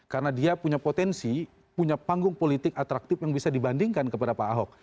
karena dia punya potensi punya panggung politik atraktif yang bisa dibandingkan kepada pak ahok